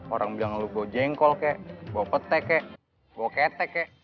orang bilang lo bawa jengkol kek bawa pete kek bawa ketek kek